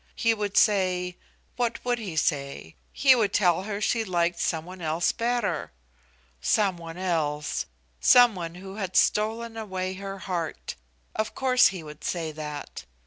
He would say what would he say? He would tell her she liked some one else better. Some one else! Some one who had stolen away her heart; of course he would say that.